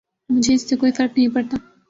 مجھے اس سے کوئی فرق نہیں پڑتا۔